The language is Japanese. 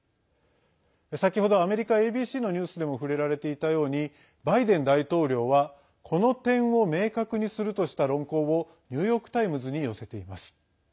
先ほどアメリカＡＢＣのニュースでも触れられていたようにバイデン大統領はこの点を明確にするとした論考をニューヨーク・タイムズに寄せています。